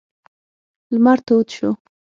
لمر تود شو.